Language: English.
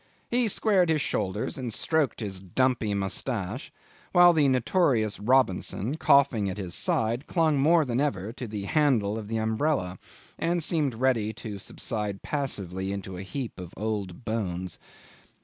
he squared his shoulders and stroked his dumpy moustache, while the notorious Robinson, coughing at his side, clung more than ever to the handle of the umbrella, and seemed ready to subside passively into a heap of old bones.